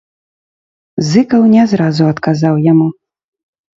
Зыкаў не зразу адказаў яму.